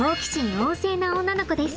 旺盛な女の子です。